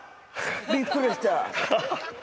びっくりした。